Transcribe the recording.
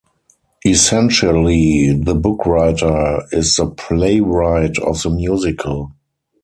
Essentially, the bookwriter is the playwright of the musical.